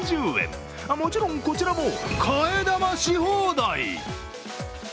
もちろんこちらも替え玉し放題。